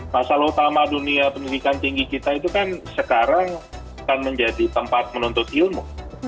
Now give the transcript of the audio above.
masalah utama dunia pendidikan tinggi kita itu kan sekarang akan menjadi tempat menuntut ilmu